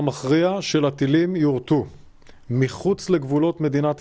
beberapa pesawat di luar kota israel dianggap di kawasan kawasan terhadap kita